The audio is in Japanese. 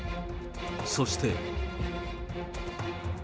そして。